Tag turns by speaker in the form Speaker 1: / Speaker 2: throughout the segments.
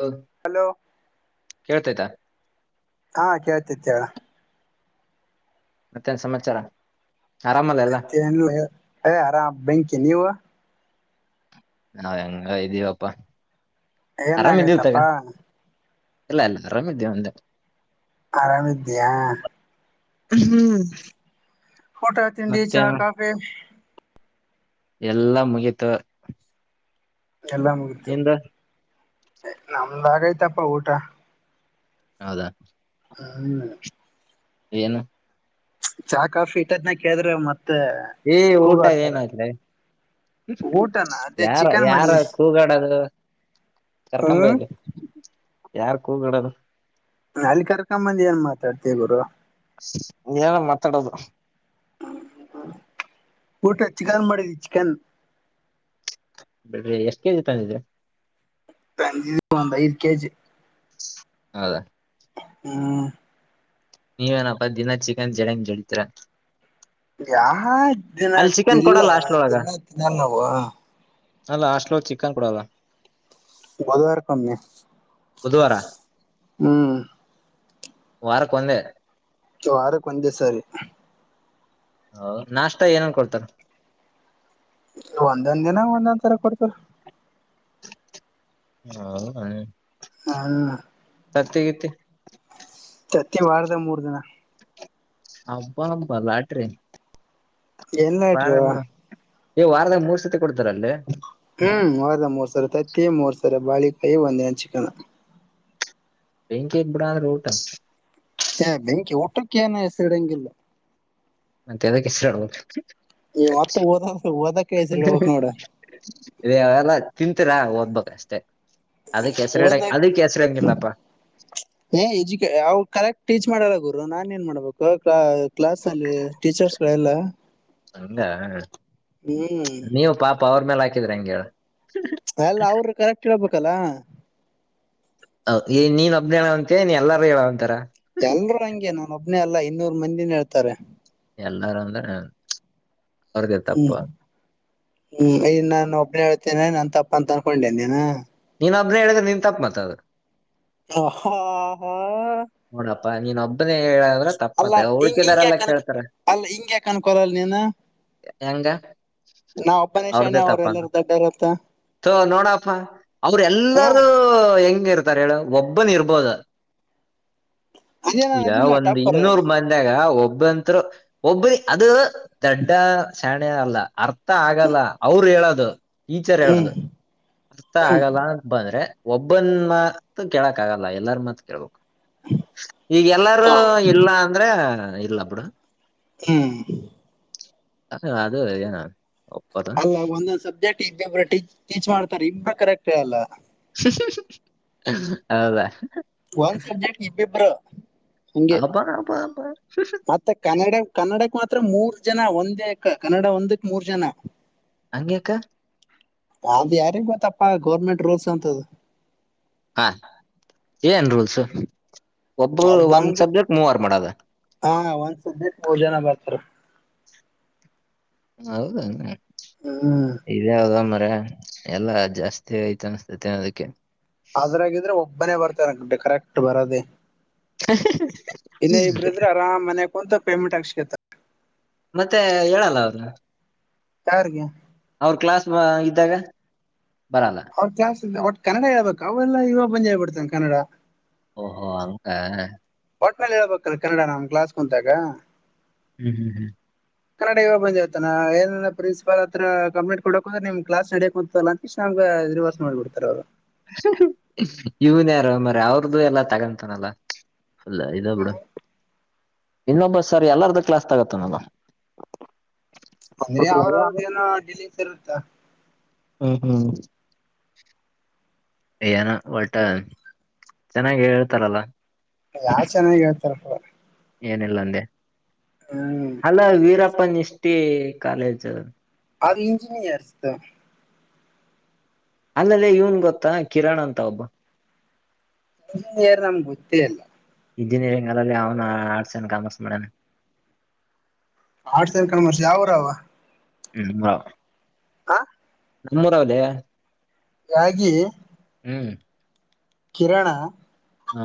Speaker 1: ಹೋಗು
Speaker 2: ಹಲೋ
Speaker 1: ಕೇಳ್ತಾ
Speaker 2: ಆ ಕೇಳ್ತಾ ಹೇಳು
Speaker 1: ಮತ್ತೇನ್ ಸಮಾಚಾರ ಆರಾಮಲ್ಲ ಎಲ್ಲ
Speaker 2: ಮತ್ತೆ ಏನಿಲ್ಲ ಹೇಳು, ಆರಾಮ್ ಬೆಂಕಿನೀವು
Speaker 1: ನಾವ್ ಹೆಂಗ ಇದಿವಪ್ಪ ಆರಾಮ್ ಇದೇ ತಗೋ
Speaker 2: ಏನಾಗೈತಪ್ಪಾ
Speaker 1: ಇಲ್ಲ ಇಲ್ಲ ಆರಾಮ ಇದ್ದೀವಿ ಅಂದೆ
Speaker 2: ಆರಾಮ್ ಇದಿಯಾ
Speaker 1: ಹ್ಮ್
Speaker 2: ಊಟ ತಿಂಡಿ ಚಾ ಕಾಫಿ
Speaker 1: ಎಲ್ಲ ಮುಗೀತು
Speaker 2: ಎಲ್ಲ ಮುಗೀತು
Speaker 1: ನಿಂದು
Speaker 2: ನಮ್ದ್ ಆಗೇ ತಪ್ಪ ಊಟ
Speaker 1: ಹೌದಾ
Speaker 2: ಹ
Speaker 1: ಏನು
Speaker 2: ಚಹಾ ಕಾಫಿ ಇಟ್ಟದನ ಕೇಳ್ರೆ ಮತ್ತೆ
Speaker 1: ಈಏ ಊಟದ
Speaker 2: ಕೂಗಾಡ್ತಾರ
Speaker 1: ಏನ್ಯ್ತ್ರಿ
Speaker 2: ಊಟನ ಅದೇ
Speaker 1: ಯಾರ
Speaker 2: ಚಿಕನ್
Speaker 1: ಯಾರ
Speaker 2: ಮಾಡಿದಿ
Speaker 1: ಕೂಗಾಡದು
Speaker 2: ಹ್ಮ್
Speaker 1: ಕರ್ಕಂಭಇಲ್ಲಿ ಯಾರ್ ಕ ಹೂೋಗಡದು
Speaker 2: ಅಲ್ಲಿ ಕರ್ಕೊಂಬಂದಿ ಏನ್ ಮಾತಾಡ್ತಿವಿ ಗರು
Speaker 1: ನೀಏನ ಮಾತಾಡೋದು
Speaker 2: ಊಟ ಚಿಕನ್ ಮಾಡಿದ ಚಿಕನ್
Speaker 1: ಬಿಡ್ರಿ ಎಷ್ಟ್ ಕೆ ಜಿ ತಂದಿದ್ರಿ
Speaker 2: ಇಜ
Speaker 1: ಹೌದಾ
Speaker 2: ಹ್ಮ
Speaker 1: ನೀವ ಏನಪ್ಪ ದಿನ ಚಿಕನ್ ಜಡಂಗನ್ ಜಳಿತರ
Speaker 2: ಯಾವ ದಿನ
Speaker 1: ಅಲ್ಲಿ ಚಿಕನ್
Speaker 2: ಇಲ್
Speaker 1: ಕೊಡಲ್ಲ ಹಾಸ್ಟ್ಲ್ ಒಳಗ
Speaker 2: ದಿನ ತಿಿನಲ್ಲವು
Speaker 1: ಅಲ್ಲ ಹಾಸ್ಟ್ಲ ಚಿಕಕ್ಕನ್ ಕೊಡೋದ
Speaker 2: ಗದವಾರಕಮ್ಮೆ
Speaker 1: ಬುಧವಾರ
Speaker 2: [unintelligible] ಹ್ಮ್
Speaker 1: ವಾರಕ್ಕ ಒಂದೆ
Speaker 2: ವಾರ ಕೊಂದೆಸಾರಿ
Speaker 1: ಹ ನಾಷ್ಟಾ ಏನನ್ ಕೊಡ್ತಾರ
Speaker 2: ಒಂದೊಂದ್ ದಿನ ಒಂದೊಂದ್ ತರ ಕೊಡ್ತರ
Speaker 1: [unintelligible]
Speaker 2: ಹ್ಮ [unintelligible]
Speaker 1: ತ್ತತಿಗಿತಿ
Speaker 2: ಪ್ರತಿ ವಾರದ ಮೂರ್ ದಿನ
Speaker 1: ಹಬ್ಬಾ ಅಬಾ ಲಾಟ್ರಿ [unintelligible]
Speaker 2: ಎಲ್ಲ
Speaker 1: ಬಳ
Speaker 2: ಇಟ್ರು
Speaker 1: ವಾರದಾಗ ಮೂರು ಸತಿ ಕೊಡ್ತಾರ ಅಲ್ಲಿ
Speaker 2: ಹ್ಮ್ ವಾರದ ಮೂರ್ ಸರ ತತ್ತಿ ಮೂರ್ ಸರ ಬಾಳಿಕಾಯಿ ಒಂದಿನ ಚಿಕನ್
Speaker 1: ಬೆೆಂಕಿ [inaudible]
Speaker 2: ಬೆಂಕಿ ಒಟ್ಟಟಕ್ಕ ಏ ಹೆಸರಿಡಂಗಿಲ್ಲ
Speaker 1: [unintelligible] ಹೆಸರುಾಡ್ಬೋ
Speaker 2: ಈ ಮತ್ತತ್ ಓದ ಓದಕ್ಕೆ ಹೆಸರಿ ಹೋಗಕ್ ನೋಡ
Speaker 1: ರೇ ಅವೆಲ್ಲ ತಿಂತೀರಾ ಓದ್ಬೇಕ ಅಷ್ಟೇ ಅದಕ್ಕೆ ಹೆಸರಿಡ
Speaker 2: ಓದಕ್
Speaker 1: ಅದಕ್ಕೆ ಹೆಸರಿ ಆಂಗಿಲ್ಲಪ್ಪಾ
Speaker 2: ಏ ಎಜುಕ ಅವ್ ಕರೆಕ್ಟ್ ಟೀಚ್ ಮಾಡಲ್ಲ ಗುರು ನಾನನ್ ಏನ್ ಮಾಡ್ಬೇಕು ಕ್ಲಾಸ್ ಅಲ್ಲಿ ಟೀಚರ್ಸ್ಗಳೆಲ್ಲ
Speaker 1: ಹಂಗ
Speaker 2: ಹ್ಮ್
Speaker 1: ನೀವು ಪಾಪ ಅವ್ರ ಮೇಲೆ ಹಾಕಿದ್ರಿ ಹೆಂಗ ಹೇಳ
Speaker 2: ಅಲ್ಲ ಅವರು ಕರೆಕ್ಟ್ ಹೇಬೇಕಲ್ಲಾ
Speaker 1: ಈ ನೀನ್ ಒಬ್ಬನ ಹೇಳ ಅಂತೆ ನೀನ್ ಎಲ್ಲಾರೂ ಹೇಳ ಅಂತಾರ
Speaker 2: ಎಲ್ರುೂ ಹಂಗೆ ನಾನ ಒಬ್ನೇ ಅಲ್ಲಾ ಇನ್ನೂರ್ ಮಂದಿನು ಹೇಳ್ತಾರೆ
Speaker 1: ಎಲ್ಲಾರ ಅಂದ್ರೆ [inaudible] ಅವ್ರಿಗೆ ತಪ್ಪ
Speaker 2: ಹ್ಮ್ ಹ್ಮ್ ಈನ್ ನಾನ ಒಬ್ನ ಹೇಳ್ತೇನೆ ನನ್ ತಪ್ಪ ಅಂತ ಅನ್ಕೊಂಡೇನ್ ನೀನ
Speaker 1: ನೀನ್ ಅಬ್ಬ್ರ ಹೇಳಿದ್ರೆ ನೀನ್ ತಪ್ಪ ಮಾತದ
Speaker 2: ಹ ಹ ಹ
Speaker 1: ಹನಪ್ಪಾ ನೀನ್ ನ ಹೇಳದ್ರೆ
Speaker 2: ಅಲ್ಲ
Speaker 1: ತಪ್ಪತ್ತ
Speaker 2: ಹಿಂಗ್ ಹಿಂಗ್
Speaker 1: ಹುಡುಕಿದಾರಲ್ಲ
Speaker 2: ಯಾಕ ಅನ್ಕ
Speaker 1: ಕೇಳ್ತಾರೆ
Speaker 2: ಅಲ್ಲ ಹಿಂಗ್ ಯಾಕ ಅನ್ಕೊಳಲ್ ನೀನು
Speaker 1: ಹೆಂಗ
Speaker 2: ನಾವ್ ಒಬ್ಬನೇಶ ಶಣೆ ಅವ್ರು ಎಲ್ಲರ ದೊಡ್ಡ ಇರುತ್ತ
Speaker 1: ಸ ನೋಡಪ್ಪ ಅವ್ರ ಎಲ್ಲಾರೂ ಹೆಂಗಿ ಇರ್ತಾರ ಹೇಳು ಒಬ್ಬನ ಇರ್ಬೋದ
Speaker 2: ಅದೇ ನಾನ್
Speaker 1: ಈಗ
Speaker 2: ಅದಿಲ್ಲ
Speaker 1: ಒಂದ್
Speaker 2: ಟಾಪರ್
Speaker 1: ಇನ್ನೂರು ಮಂದಾಗ ಒಬ್ಬತ್ರು ಒಬ್ಬರಿ ಅದು ದೊಡ್ಡ ಶಣೆ ಅಲ್ಲ ಅರ್ಥ ಆಗಲ್ಲ ಅವರು ಹೇಳೋದು ಟೀಚರ್
Speaker 2: ಹ್ಮ್
Speaker 1: ಹೇಳದು ಅರ್ತ
Speaker 2: ಹ್ಮ್
Speaker 1: ಆಗಲ್ಲ ಬಂದ್ರೆ ಒಬ್ಬನ್ ಮಾತ್ ಕೇಳಕ್ ಆಗಲ್ಲ ಎಲ್ಲಾರ ಮಾತ್ು ಕೇಳ್ಬೇಕು ಈಗ ಎಲ್ಲಾರೂ
Speaker 2: ಹಾ,
Speaker 1: ಇಲ್ಲ ಅಂದ್ರ ಇಲ್ಲ ಬಿಡು
Speaker 2: ಹ್ಮ್
Speaker 1: ಹ ಅದು ಏನ ಒಪ್ಪದು
Speaker 2: ಅಲ್ಲ ಒಂದೊಂದಂದು ಸಬ್ಜೆಕ್ಟ್ ಇಬ್ಬೊಬ್ಬರು ಟೀಚ್ ಮಾಡ್ತಾರೆ ಇಬ್ಬರು ಕರೆಕ್ಟ್ೇ ಅಲ್ಲ
Speaker 1: ಶಿಶು ಶಿ ಹೌದಾ
Speaker 2: ಒಂದ್ ಸಬ್ಜೆಕ್ಟ್ ಇಬಿಬ್ಬರು ಹಗೆ
Speaker 1: ಅಬ್ಬ ಅಬ್ಬ ಅಬ್ಬ
Speaker 2: ಮತ್ತೆ ಕನ್ನಡ ಕನ್ನಡಕ್ ಮಾತ್ರ ಮೂರ್ ಜನ ಒಂದೇ ಕನ್ನಡ ಒಂದಕ್ ಮೂರ್ ಜನ
Speaker 1: ಹಂಗಗೆೇಕ
Speaker 2: ನ ಯಾರಿಿಗೆ ಗತ್ತಪ್ಪಾ ಗೌರ್ಮೆಂಟ್ ರೂಲ್ಸ್ ಅಂತದ
Speaker 1: ಹಾ ಏನ್ ರೂಲ್ಸ್ ಒಬ್ಬ
Speaker 2: ಅದ್
Speaker 1: ಒಂದ್
Speaker 2: ನಮ್ಗ
Speaker 1: ಸಬ್ಜೆಕ್ಟ್ ಮೂವರ್ ಮಾಡದ
Speaker 2: ಹಾ ಒಂದ್ ಸಕ್ ಮೂರ್ ಜನ ಬರ್ತಾರ
Speaker 1: ಹೌದ
Speaker 2: ಹ್ಮ್್ಮ
Speaker 1: ಇದ ಹದ ಮ್ರ ಎಲ್ಲಾ ಜಾಸ್ತಿ ಐ್ತ ಅನ್ಸ್ತೇತಿ ಅನ್ನೋದಕ್ಕೆ
Speaker 2: ಅದ್ರಾಗಿದ್ರೆ ಒಬ್ಬನೇ ಬರ್ತಾರೆ ಅನ್ಕಂಟೆ ಕರೆಕ್ಟ್ ಬರೋದೆೇ ಇನ್ನ ಇಬ್ರ ಇದ್ರೆ ಆರಾಮ್ ಮನೆ ಕುಂತ ಪೇಮೆಂಟ್ ಆಾಸ್ಕತ
Speaker 1: ಮತ್ತೆ ಹೇಳಲ್ಲ ಅವರು
Speaker 2: ಯಾರಿಗೆ
Speaker 1: ಅವ್ರ ಕ್ಲಾಸ್ ಇದ್ದಾಗ ಬರಲ್ಲ
Speaker 2: ಅವ್ರ ಜಾಸ್ ಇ ಅವಟ್ ಕನ್ನಡ ಹಳ್ಬೇಕ ಅವೆಲ್ಲ ಇವಾಗ ಬಂದ್ ಹೇಳ್ಬಡ್ತಾನೆ ಕನ್ನಡ
Speaker 1: ಓಹೋ ಹಂಗ
Speaker 2: ಒಟ್ ಮೇ ಹೇಳ್ಬೇಕ್ರ ಕನ್ನಡ ನಮ್ ಕ್ಾಸ್ ಕುಂತಾಗ
Speaker 1: ಹ್ಞ ಹ್ ಹ್
Speaker 2: ಕನ್ನಡ ಇಾಗ ಬಂದಿವತನಾಏಂದ್ರ ಪ್ರನ್ಸಿಪಾಲ್ತ್ರ ಕಂಪ್ಲೇಟ್ಡಕ್ರ ನಿಮ್ ಕ್ಲಾಸ್ಡಕ್ ಹತ್ತತಲ್ಲ ಇಷ್ಟ ನಮ್ಗೆ ಇದಿರ್ವಾಸಸ್ ಮಾಡ್ಬ ಬಿಡ್ತಾರ ಅವರು
Speaker 1: ಇವನ್ ಯಾರ ಮ್ರ ಅವ್ರ್ದು ಎಲ್ಲಾ ತಗೊಂತನಲ್ಲ ಅಲ್ಲ ಇದ ಬಿಡ ಇನ್ನೊಬ್ಬ ಸರ್ ಎಲ್ಲಾರ್ದ ಕ್ಲಾಸ್ ತಗತ್ತ ನ
Speaker 2: ಅಂದ್ರೆ ಅವ್ರ ಅವ್ರದ ಏನೋ ಡಿಲಂಗಸ್ ಇರುತ್ತಾ
Speaker 1: ಹ್ಮ್ ಹ್ಮ್ ಏನ ಒಟ ಚೆನ್ನಾಗಿ ಹೇಳ್ತಾರಲ್ಲ
Speaker 2: ಯಾವ್ ಚೆನ್ನಾಗಿ ಹೇಳ್ತಾರ ೂಡ
Speaker 1: ಏನಿಲ್ಲ ಅಂದೆ
Speaker 2: ಹ್ಮ್
Speaker 1: ಅಲ್ಲ ವೀರಪ್ಪ ನಿಷ್ಠಿ ಕಾಲೇಜ್
Speaker 2: ಅದು ಇಂಜಿನಿಯರ್ಸ್
Speaker 1: ಅಲ್ಲಲ್ಲಿ ಇವನ್ ಗೊತ್ತಾ ಕಿರಣ್ ಅಂತ ಒಬ್ಬ
Speaker 2: ಇಂಜಿನಿಯರ್ ನಮ್ಗೆ ಗೊತ್ತೇ ಅಲ್ಲ
Speaker 1: ಇಂಜಿನಿಯರಿಂಗ್ ಅಲ್ಲಿ ಅವನ ಆರ್ಟ್ಸ್ ಏನ್ ಕಾಮರ್ಸ್ ಮಾಡಣ
Speaker 2: ಆಡ್ ಸ ಕುರ್ಸಿ ಯಾವರ ಅವ
Speaker 1: ಹ್ಮ
Speaker 2: ಹಾ
Speaker 1: ನಮ್ಮೂರಾವದೇ
Speaker 2: ಹಾಗಾಗಿ
Speaker 1: ಹ್ಮ್
Speaker 2: ಕಿರಣ
Speaker 1: ಹಾ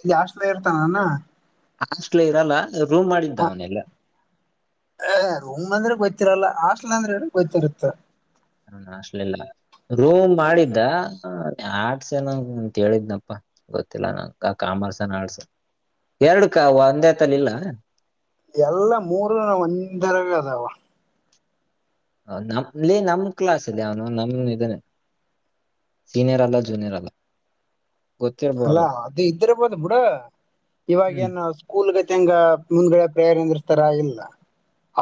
Speaker 2: ಇಲ್ಲಿಾಷ್ಟ್ಮೇ ಇರ್ತಾನಾನ
Speaker 1: ಹಾಸ್ಟ್ಲೇ ಇರಲ್ಲ ರೂಮ್ ಮಾಡಿದ್ದ ಅವನೆೆಲ್ಲ
Speaker 2: ಉಮ್ ಅಂದ್ರೆ ಗೊ್ತ್ತರಲ್ಲ ಹಾಸ್ಟಲ್ ಅಂದ್ರೆ ಗೊ್ತ್ತತಿರುತ್ತ
Speaker 1: ಹಣ ಅಷ್ಟಲಿಲ್ಲ ರೂಮ್ ಮಾಡಿದ್ದ ಆರ್ಟ್ಸ್ ಏನ ಕೇಳಿದ್ನಪ್ಪಾ ಗೊತ್ತಿಲ್ಲ ನಂ ಕಾಮರ್ಸ್ ಏನ್ ಆರ್ಟ್ಸ್ ಎರಡು ಕವು ಅಂದೇತಲ್ಲಿ ಇಲ್ಲ
Speaker 2: ಎಲ್ಲ ಮೂರ ಒಂದರಗ ಅದಾವ
Speaker 1: ನಮಲ್ಲಿ ನಮ್ ಕ್ಲಾಸ್ ಅಲ್ಲಿ ಅವನು ನಮ ಇದನೆ ಸೀನಿಯರ್ರಲ್ಲ ಜುಿಿಯರ್ ಅಲ್ಲ
Speaker 2: ಅಲ್ಲಾ
Speaker 1: ಗೊತ್ತಿರ್ಬೋದು
Speaker 2: ಅದು ಇದರ್ಬೋದು್ ಬಿುಡ
Speaker 1: ಹ್ಮ್
Speaker 2: ಇವಾಗೇಏನ್ ಕಕೂಲ್ಗ ತಂಗ ಮುಂದ್ಗಡೆ ಪ್ರೇರಣರ್ತಾರ ಇಲ್ಲ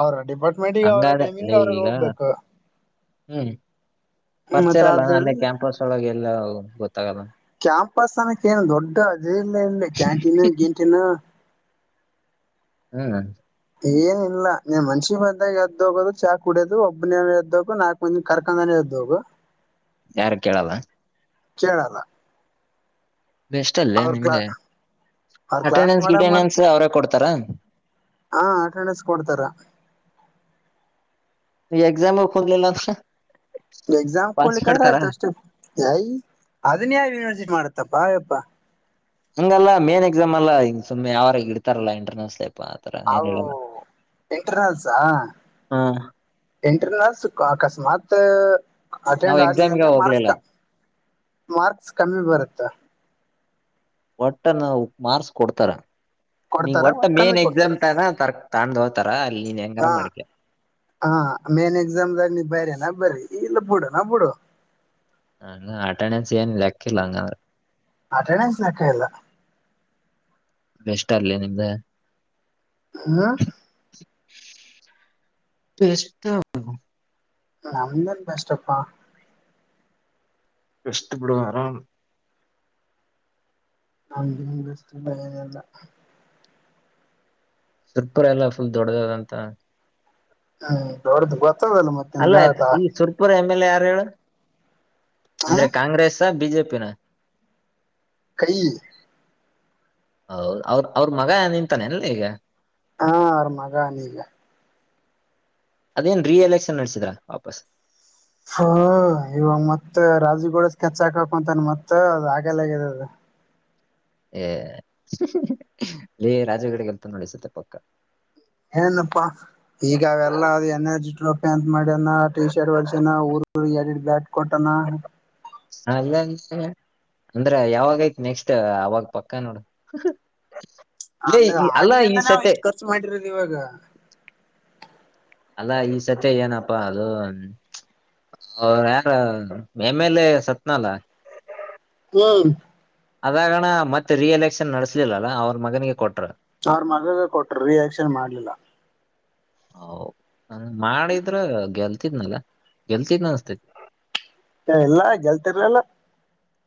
Speaker 2: ಅವ್ರ ಡಿಪಾರ್ಟ್ ಮಡಿಿಗೆ ಅವ್ರ
Speaker 1: ಹಂಗಾದ
Speaker 2: ಟೈಮಿಂಗ್ ಅವ್ರ
Speaker 1: ಈಗ
Speaker 2: ಹೋಗ್ಬೇಕು
Speaker 1: ಹ್ಮ್
Speaker 2: ಮತ್ತ್ರ [inaudible]
Speaker 1: ಅೊಳಗೆ ಎಲ್ಲ ಗೊತ್ತಾಗಲ್ಲ
Speaker 2: ಕ್ಯಾಂಪಸ್ ಅನಕ್ ಏನು ದೊಡ್ಡ ಅದೇಲ್ಲ ಇಲ್ಲಿ ಕ್ಯಾಂಟೀನ್ ಗೇಂಟೀನ್
Speaker 1: ಹ್ಮ್
Speaker 2: ಏನ ಇಲ್ಲ ನೀ ಮನ್ಷಿ ಬಂದಾಗ ಎದ್ದೋಗೋದು ಚಾ ಕುಡಿಯೋದು ಒಬ್ಬನವು ಎದ್ದೋಗು ನಾಕು ಒಂದ್ ಕರ್ಕಂದಾನೆ ಇದದ್ದೋಗು
Speaker 1: ಯಾರು ಕೇಳಲ್ಲ
Speaker 2: ಚೇೇಳಲ್ಲ
Speaker 1: ಬೆಸ್ಟ್ ಅಲ್ಲೇ
Speaker 2: ಕ್ಲಾ
Speaker 1: ನಿಮ್ದಗೆ
Speaker 2: ಅವ್ರ ಕ್ಲಾಸ್
Speaker 1: ಅಟೆಂಡೆನ್ಸ್
Speaker 2: ಮಾಡ
Speaker 1: ಗಿಟೆಂಡೆನ್ಸ್
Speaker 2: ಮಾಡ್ತ
Speaker 1: ಅವರೇ ಕೊಡ್ತಾರ
Speaker 2: ಹ ಅಟೆಂಡೆನ್ಸ್ ಕೊಡ್ತಾರ
Speaker 1: ಎಕ್ಸಾಮ ಕೊಂಡಿಲ್ಲ ಅಂದ್ರ
Speaker 2: ಎಕ್ಸಾಮ್
Speaker 1: ಪಾಸ್
Speaker 2: ಕೊಡ್ಲಿಕ್ಕ ಆದ್ರೆ
Speaker 1: ಮಾಡ್ತಾರ
Speaker 2: ಆಯ್ತು ಅಷ್ಟೇ ಯಯ ಅದನ್ ಯಾವ ಯನಿವರ್ಸಿಟಿ ಮಾಡತ್ತಪ್ಪಾ ಅಯ್ಯಪ್ಪಾ
Speaker 1: ಹಂಗಲ್ಲ ಮೇನ್ ಎಕ್ಸಾಮ್ ಅಲ್ಲ ಹ ಸು್ ಯ ಅವಾಗ ಇತಾರಲ್ಲ ಇಂಟರ್ನ್ಸ್
Speaker 2: ಅ ಎಂಟಸಾ
Speaker 1: ಹಾ
Speaker 2: ಎಂಟ್ರ ನರ್ಸ್ ಅಕಸ್ಮಾತ್
Speaker 1: ನಾವ್
Speaker 2: ಅಟೆಂಡ್ ಆಗ್ಲ
Speaker 1: ಎಕ್ಸಾಮ್ಗೆ
Speaker 2: ಅಂದ್ರೆ ಮಾರ್ಸ್ತ
Speaker 1: ಹೋಗ್ಲಿಲ್ಲ
Speaker 2: ಮಾರ್ಕ್ಸ್ ಕಮ್ಮಿ ಬರುತ್ತಾ
Speaker 1: ಒಟ್ಟ ನ ಮಾರ್ಕ್ಸ್ ಕೊಡ್ತಾರ ನೀ
Speaker 2: ಕೊಡ್ತಾರ
Speaker 1: ಒಟ್ಟ
Speaker 2: ಒಟ್ ಕಮ್ಮಿ
Speaker 1: ಮೇನ್
Speaker 2: ಕೊಡ್ತಾರ
Speaker 1: ಎಕ್ಸಾಮ್ ಟ ತರ ತಾೊಂಡು ಹೋ್ತಾರ ಅಲ್ಲಿ ಹೆಂಗಾರ
Speaker 2: ಹ
Speaker 1: ಮಾಡ್ಕೆ
Speaker 2: ಹ ಮೇನ್ ಎಕ್ಸಾಮ್ದಾಗ ನಿ ಬೇರೆ ನ ಬ್ರ ಇಲ್ಲ ಬಿಡು ನಾ ಬಿಡು
Speaker 1: ಹ ಅಟೆಂಡೆನ್ಸ್ ಏನ್ಲ್ಲಾಕ್ಕಿಲ್ಲ ಹಂಗಂದ್ರೆ
Speaker 2: ಅಟೆಂಡೆನ್ಸ್ ಯಾಕ ಇಲ್ಲ
Speaker 1: ಬೆಸ್ಟ್ ಅರ್ಲಿ ನಿಮ್ದ
Speaker 2: ಹ್ಮ
Speaker 1: ಎಷ್ಟ
Speaker 2: ನಂದನ್ ಬೆಷ್ಟಪ್ಪಾ
Speaker 1: ಬೆಸ್ಟು ಬಿಡು ಆರಾಮ್
Speaker 2: ನಮ್ ರೆಸ್ಟ್ ಇಲ್ಲ ಏನಿಲ್ಲ
Speaker 1: ಸುರ್ಪು ಎಲ್ಲ ಫುಲ್ ದೊಡ್ಡದದಂತ
Speaker 2: ಹ್ಮ್ ದೊಡ್ದ ಗೊತ್ತದಲ್ಲ ಮತ್ತೆ
Speaker 1: ಅಲ್ಲ ಆಯ್ತು ಈ ಸುರ್ಪುರ್ ಎಮ್ ಎಲ್ ಎ ಯಾರ ಹೇಳು ಅಂದ್ರೆ
Speaker 2: ಹ
Speaker 1: ಕಾಂಗ್ರೆಸ್ ಬಿಜೆಪಿನ
Speaker 2: ಕೈ
Speaker 1: ಹೌದ ಅವ್ರ ಅವ್ರ ಮಗ ನಿಂತಾನೆ ಎಲ್ಲ ಈಗ
Speaker 2: ಹಾ ಆರ ಮಗ ನೀಗ
Speaker 1: ಅದೇನ್ ರೀ ಎಲೆಕ್ಷನ್ ನಡೆಸಿದ್ರಾ ವಾಪಸ್
Speaker 2: ಹ ಇವಾಗ ಮತ್ತ ರಾಜುಗೂಡ ಸ್ಕೆಚ್ ಹಾಕಕೊಂತಾನ ಮತ್ತತ್ ಅದ ಆಗಲ್ಲಗ ಅದು
Speaker 1: ಏ ಇ ರಾಜಗಡಗೆಲ್ತ ನೋಡಿಸುತ್ತೆ ಪಕ್ಕ
Speaker 2: ಏನಪ್ಪಾ ಈಗ ಅವೆಲ್ಲಾ ಅ ಎನರ್ಜಿ ್ರಪ ಅಂತ ಮಾಡ ಟಿ ಶರ್ಟ್ ವರ್ ಊ ಬ್ಯಾ ಘಟನಾ
Speaker 1: ಹಲ್ಲ ಅಂದ್ರ ಯಾವಾಗಯತ್ ನೆಕ್ಸ್ಟ್ ಅವಾಗ ಪಕ್ಕ ನೋಡ ಇಲ್ಲೇ
Speaker 2: ಅದ
Speaker 1: ಈ ಅಲ್ಲ
Speaker 2: ಆಗ್ಲಿ
Speaker 1: ಈ
Speaker 2: ಅಂತ ನಾವ್
Speaker 1: ಸತಿ
Speaker 2: ಇಷ್ಟ್ ಮಾಡಿರೋದು ಇವಾಗ
Speaker 1: ಅಲ್ಲಾ ಈ ಸತ್ಯ ಏನಪ್ಪಾ ಅದು ಹ ಯಾರ ಮೇಮೇಲೆ ಸತ್ನಾಲ
Speaker 2: ಹ್ಮ್
Speaker 1: ಅದಾಗಣ ಮತ್ತೆ ರಿ ಎಲೆಕ್ಷನ್ ನಡ್ಸ್ಲಿಲ್ಲಲ್ಲ ಅವ್ರ ಮಗನಿಗೆ ಕೊಟ್ರ
Speaker 2: ಚಾರ್ ಮಗಾಗ ಕೊಟ್ರ ರಿಯಾಕ್ಷನ್ ಮಾಡ್ಲಿಲ್ಲ
Speaker 1: ಹ ಮಾಡಿದ್ರ ಗೆಲ್ತಿದ್ನಲ್ಲ ಗೆಲ್ತಿದ್ ಅನ್ಸ್ತೇತಿ
Speaker 2: ಇಲ್ಲಾ ಗೆಲ್ತಿರ್ಲಲ್ಲ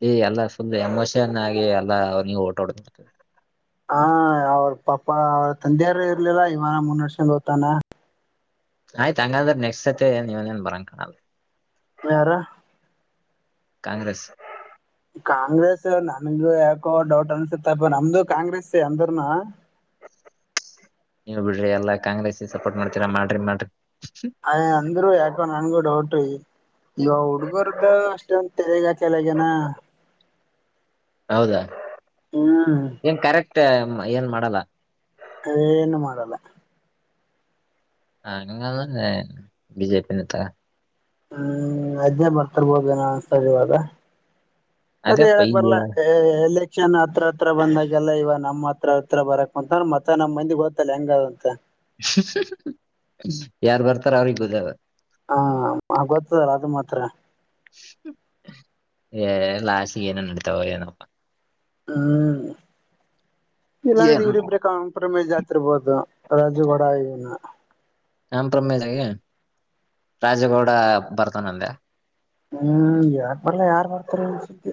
Speaker 1: ಈ ಎಲ್ಲ ಫುಲ್ ಎಮೋಷನ್ ಆಗಿ ಎಲ್ಲ ನೀವು ಓಟಾಡ್ ಮಾಡ್ತ
Speaker 2: ಹ ಅವ್ರ ಪಾಪ ಅವರ ತಂದೆಯಾರ ಇರ್ಲಿಲ್ಲ ಇವಾರ ಮುನ್ನರ್ಸೊಂಡ ಹೋಗ್ತಾನ
Speaker 1: ಆಯ್ತ ಹಂಗಂದ್ರೆ ನೆಕ್ಟ್ ಸತೆ ನೀವನೇನ್ ಬರಂಗ ಕಾಣಲ್ಲ
Speaker 2: ಯಾರ
Speaker 1: ಕಾಂಗ್ರೆಸ್
Speaker 2: ಕಾಂಗ್ರೆಸ್ ನನ್ಗು ಯಾಕೋ ಡೌಟ್ ಅನ್ಸುತ್ತಪ್ಪ ನಮ್ದು ಕಾಂಗ್ರೆಸ್ಸ ಎಂದ್ರನು
Speaker 1: ನೀವು ಬಿಡ್ರಿ ಎಲ್ಲಾ ಕಾಂಗ್ರೆಸ್ ಸಪೋರ್ಟ್ ಮಾಡ್ತೀರಾ ಮಾಡ್ರಿ ಮಾಡ್ರಿ
Speaker 2: ಆಯ ಅಂದರೂ ಯಏಕ ನನಗು ಡೌಟ್ ಇವ ಹುಡ್ಗರದ್ದ ಅಷ್ಟೊಂದು ತೆೇಗ ಕೆಳಗನ
Speaker 1: ಹೌದಾ
Speaker 2: ಹಾ
Speaker 1: ಏನ್ ಕರೆಕ್ಟ್ ಏನ್ ಮಾಡಲ್ಲ
Speaker 2: ಅದೇಏನು ಮಾಡಲ್ಲ
Speaker 1: ಹಂಗದೆ ಬಿಜೆಪಿ ತಾ
Speaker 2: ಹ್ಮ್ ಅದೇ ಬರ್ತಿರ್ಬೋದೇನೋ ಅನ್ಸತದೆ ಇವಾಗ ಅದೇ
Speaker 1: ಅದೇಪ್ಪ
Speaker 2: ಹೇಳಕ್
Speaker 1: ಈಗ
Speaker 2: ಬರ್ಲ್ಲ ಅಷ್ಟೇ ಎಲೆಕ್ಷನ್ ಹತ್ರ ಹತ್ರ ಬಂದಾಗೆಲ್ಲ ಇವ ನಮ್ಮ್ ಹತ್ರ ಹತ್ರ ಬರಕ್ ಅಂತಂದ್ರ ಮತ್ತೆ ನಮ್ಮ್ ಮಂದಿ ಗೊತ್ತ ಸಲೆಂಡರ್ ಅವತಾ
Speaker 1: [unintelligible] ಯಾರ್ ಬರ್ತಾರ ಅವ್ರಗ್ ಬೇಜಾರ
Speaker 2: ಹಾ ಗೊತ್ತದಲ್ಲ ಅದು ಮಾತ್ರ
Speaker 1: ಲಾಾಸಿಗೆ ಏನ ನಡತಾವ ಏನಪ್ಪ
Speaker 2: ಹ್ಮ್ ಇಲ್ಲಾಂದ್ರೆ
Speaker 1: ಏನು
Speaker 2: ಇವರಿಿಬ್ರ ಕಾಂಪ್ರಮೈಸ್ ಆತಿರ್ಬೋದು ರಾಜುಗಡಾ ಆಗನ
Speaker 1: ನನ್ ಪ್ರಮೇಶ್ಗ ರಾಜೇಗೌಡ ಬರ್ತಾನಂದೆ
Speaker 2: ಹ್ಮ್ ಯಾಕ್ ಬರ್ಲ ಯಾರ್ ಬರ್ತಾರ ಅನ್ಸತಿ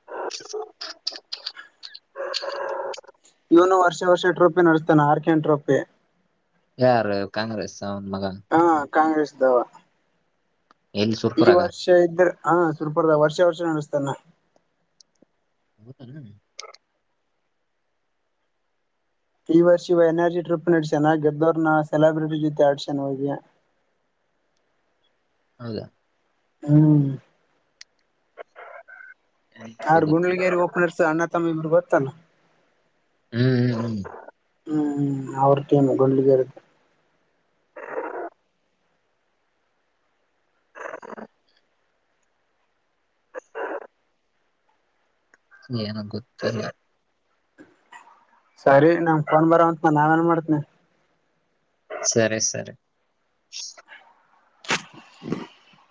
Speaker 1: [unintelligible]
Speaker 2: ಇವನು ವರ್ಷ ವರ್ಷ ಟ್ರೋಫಿ ನಡೆಸ್ತಾನ ಆಾರ್ಕೆಂಟ್ರೊಪ್ಪಿ
Speaker 1: ಯಾರು ಕಾಂಗ್ರೆಸ್ ಅವನ್ ಮಗ
Speaker 2: ಹಾ ಕಾಂಗ್ರೆಸ್ ವ
Speaker 1: ಎಲ್ಲಿ
Speaker 2: ಈ
Speaker 1: ಸುರ್ಪುರಾಗ
Speaker 2: ವರ್ಷ ಇದ್ರ ಹಾ ಸುರ್ಪರ್ದ ವರ್ಷ ವರ್ಷ ನಡೆಸ್ತಾನ
Speaker 1: ಹೌತ್ತ
Speaker 2: ಈ ವರ್ಷ ಇವ ಎನರ್ಜಿ ಟ್ರಿಪ್ ನಡಸ್ಯಾನ ಗೆದ್ದೋ್ರ ನ ಸೆಲೆಬ್ರಿಟಿ ಜೊತೆ ಆಡ್ಸನ್ ಹೋಗಿ
Speaker 1: ಹೌದಾ
Speaker 2: ಹ್ಮ್ ಯಾರ
Speaker 1: ಗೊತ್ತಿಲ್ಲ
Speaker 2: ಗುಂಡಲಗಿಯರಿ ಓಪನರ್ಸ್ ಅನಾಥಮ ಗೋತಲ್ಲ
Speaker 1: ಹ್ಮ್ ಹ್ಮ್ ಹ್ಮ್
Speaker 2: ಹ್ಮ್ ಅವ್ರ ಟೀಮ್ ಗುಡಗೀರ್ ಇರುತ್ತೆ
Speaker 1: ಏನ ಗೊತ್ತಿಲ್ಲ
Speaker 2: ಸರಿ ನಮ್ ಫೋನ್ ಬರೋವಂತ ನನ್ ಆಮೇಲೆ ಮಾಡ್ತಿನಿ
Speaker 1: ಸರಿ ಸರಿ
Speaker 2: [unintelligible]